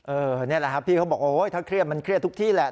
นี่แหละครับพี่เขาบอกโอ๊ยถ้าเครียดมันเครียดทุกที่แหละ